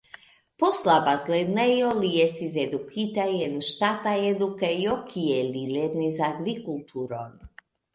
Post la bazlernejo li estis edukita en ŝtata edukejo, kie li lernis agrikulturon.